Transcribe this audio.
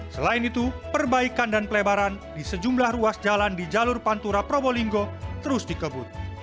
selain itu perbaikan dan pelebaran di sejumlah ruas jalan di jalur pantura probolinggo terus dikebut